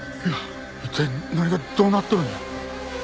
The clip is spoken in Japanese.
一体何がどうなっとるんや？